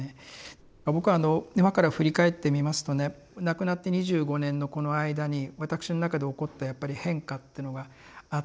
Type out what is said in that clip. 僕はあの今から振り返ってみますとね亡くなって２５年のこの間にわたくしの中で起こったやっぱり変化っていうのがあって。